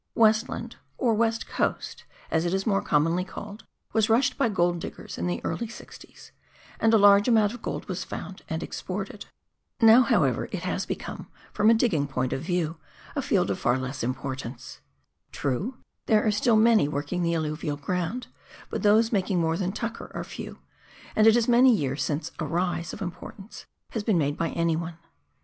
Westland, or West Coast," as it is more commonly called, was rushed by gold diggers in the early sixties, and a large amount of gold was found and exported. Now, however, it 30 PIONEER WORK IN THE ALPS OF NEW ZEALAND. has become, from a digging point of view, a field of far less importance. True, there are still many working the alluvial ground, but those making more than " tucker " are few, and it is many years since " a rise " of importance has been made by anyone.